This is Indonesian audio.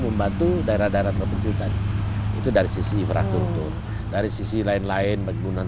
membantu daerah daerah terpencil tadi itu dari sisi infrastruktur dari sisi lain lain bangunan